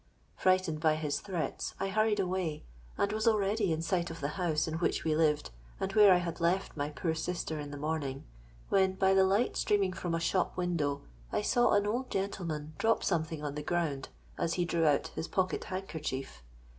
Frightened by his threats, I hurried away, and was already in sight of the house in which we lived, and where I had left my poor sister in the morning, when, by the light streaming from a shop window, I saw an old gentleman drop something on the ground as he drew out his pocket handkerchief.